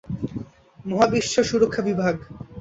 মহাবিশ্ব সুরক্ষা বিভাগ।